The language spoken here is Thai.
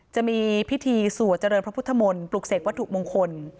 จะมีพิธีสวดเจริญพระพุทธมนต์ปลุกเสกวัตถุมงคล